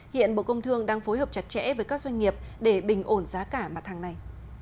hiện bộ công thương đang phối hợp chặt chẽ với các doanh nghiệp để bình ổn giá cả mặt hàng này